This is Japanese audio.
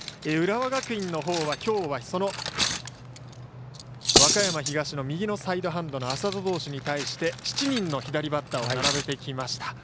浦和学院のほうはきょうは和歌山東の右のサイドハンドの麻田投手に対して７人の左バッターを並べてきました。